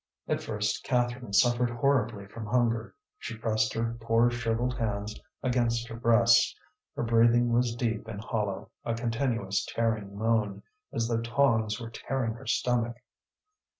At first Catherine suffered horribly from hunger. She pressed her poor shrivelled hands against her breasts, her breathing was deep and hollow, a continuous tearing moan, as though tongs were tearing her stomach.